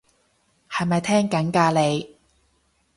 係咪聽緊㗎你？